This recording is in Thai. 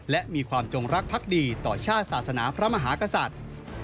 และมีความจงรักพักดีต่อชาติศาสนาพระมหากษัตริย์